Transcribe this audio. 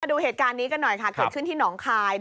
ดูเหตุการณ์นี้กันหน่อยค่ะเกิดขึ้นที่หนองคาย